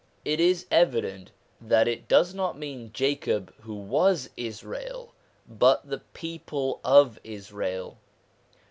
It is evident that it does not mean Jacob who was Israel, but the people of Israel.